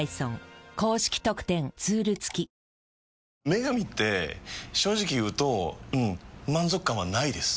「麺神」って正直言うとうん満足感はないです。